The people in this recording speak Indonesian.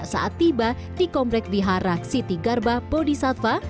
saat tiba di komplek vihara siti garba bodhisattva